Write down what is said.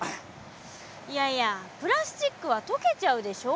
いやいやプラスチックは溶けちゃうでしょ？